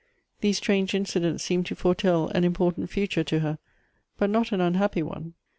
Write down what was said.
These strange incidents seemed to foretell an important future to her — but not an unhappy one.